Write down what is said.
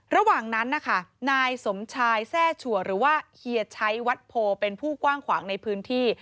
ระหว่างนั้นนะคะนายสมชายแทร่ชัวหรือว่าเฮียชัยวัดโพเป็นผู้กว้างขวางในพื้นที่